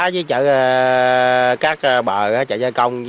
chỉ chạy các bờ chạy gia công